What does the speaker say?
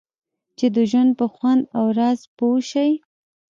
چې د ژوند په خوند او راز پوه شئ.